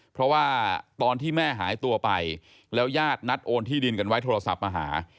เพราะว่าตอนที่แม่หายตัวไปแล้วญาตินัดโอนที่ดินกันไว้โทรศัพท์มาหา